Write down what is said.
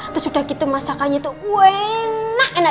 terus udah gitu masakannya itu enak